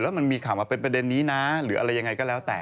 แล้วมันมีข่าวมาเป็นประเด็นนี้นะหรืออะไรยังไงก็แล้วแต่